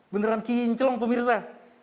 beneran kinclong pemirsa